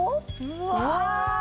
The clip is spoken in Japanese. うわ！